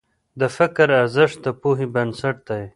د فکر ارزښت د پوهې بنسټ دی.